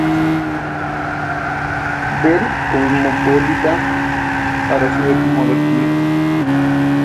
Ver "cosmopolita" para su etimología.